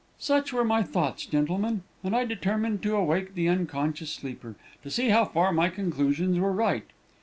"Such were my thoughts, gentlemen, and I determined to awake the unconscious sleeper, to see how far my conclusions were right.